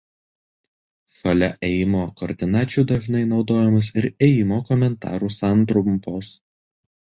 Šalia ėjimo koordinačių dažnai naudojamos ir ėjimo komentarų santrumpos.